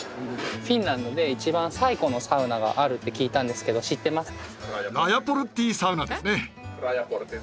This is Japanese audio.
フィンランドで一番最古のサウナがあるって聞いたんですけど知ってますか？